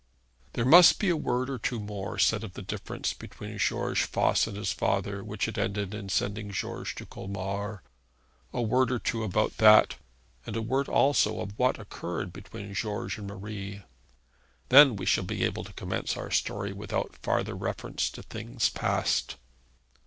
There must be a word or two more said of the difference between George Voss and his father which had ended in sending George to Colmar; a word or two about that, and a word also of what occurred between George and Marie. Then we shall be able to commence our story without farther reference to things past.